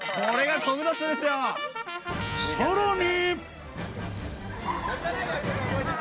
［さらに］